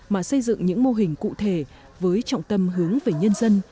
mà xây dựng những mô hình cụ thể với trọng tâm hướng về nhân dân